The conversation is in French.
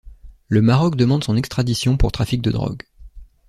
Le Maroc demande son extradition pour trafic de drogue.